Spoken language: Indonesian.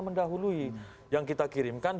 mendahului yang kita kirimkan